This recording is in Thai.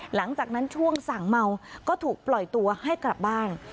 หลังจากนั้นช่วงสั่งเมาก็ถูกปล่อยตัวให้กลับบ้าน